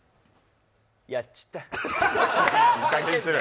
やっちった。